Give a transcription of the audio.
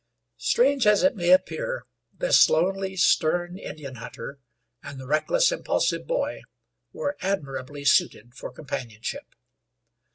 Strange as it may appear, this lonely, stern Indian hunter and the reckless, impulsive boy were admirably suited for companionship.